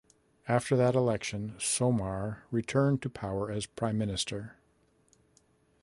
After that election, Somare returned to power as prime minister.